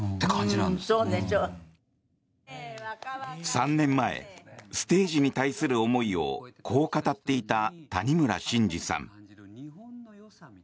３年前ステージに対する思いをこう語っていた谷村新司さん。